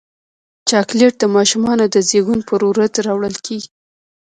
چاکلېټ د ماشومانو د زیږون پر ورځ راوړل کېږي.